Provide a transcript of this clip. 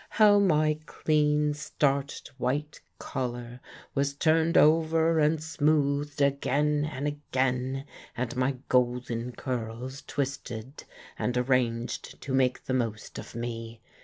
how my clean, starched white collar was turned over and smoothed again and again, and my golden curls twisted and arranged to make the most of me!